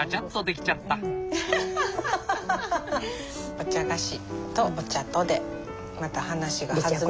お茶菓子とお茶とでまた話が弾む。